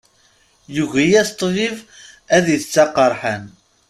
Yugi-yas ṭṭbib ad itett aqerḥan.